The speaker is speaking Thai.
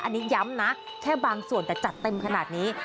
อันนี้ย้ำนะแค่บางส่วนแต่จัดเต็มขนาดนี้